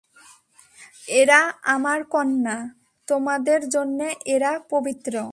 এরা আমার কন্যা, তোমাদের জন্যে এরা পবিত্র।